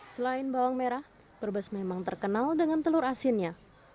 selain bawang merah brebes memang terkenal dengan telur asinnya